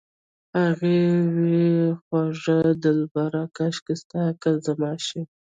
هغې وې خوږه دلبره کاشکې ستا عقل زما شي